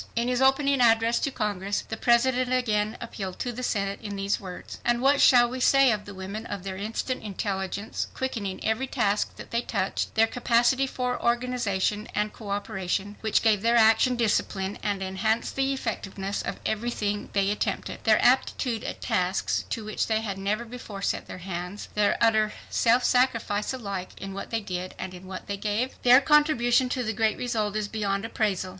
In his opening address to Congress, the President again appealed to the Senate in these words: "And what shall we say of the women—of their instant intelligence, quickening every task that they touched; their capacity for organization and coöperation, which gave their action discipline and enhanced the effectiveness of everything they attempted; their aptitude at tasks to which they had never before set their hands; their utter self sacrifice alike in what they did and in what they gave? Their contribution to the great result is beyond appraisal.